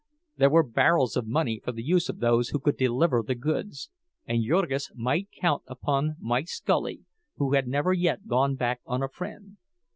There were barrels of money for the use of those who could deliver the goods; and Jurgis might count upon Mike Scully, who had never yet gone back on a friend.